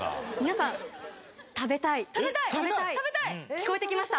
聞こえてきました。